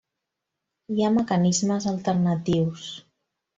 Hi ha mecanismes alternatius.